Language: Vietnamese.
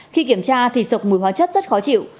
khi kiểm tra thì sộc mùi hóa chất rất khó chịu